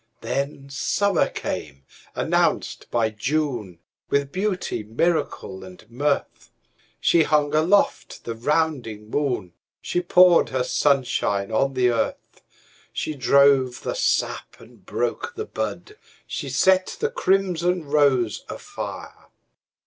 Then summer came, announced by June, With beauty, miracle and mirth. She hung aloft the rounding moon, She poured her sunshine on the earth, She drove the sap and broke the bud, She set the crimson rose afire.